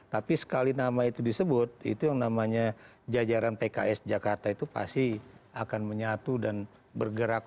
tapi sekali nama itu disebut itu yang namanya jajaran pks jakarta itu pasti akan menyatu dan bergerak